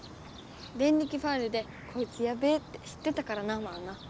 デンリキファイルでこいつやべえって知ってたからなマウナ。